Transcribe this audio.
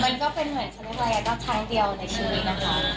มันก็เป็นเหมือนฉันเรียกว่าอย่างเดียวกับทางเดียวในชีวิตนะครับ